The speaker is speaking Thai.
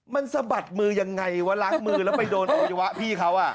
มันสะบัดมือยังไงวะล้างมือแล้วไปโดนอวัยวะพี่เขา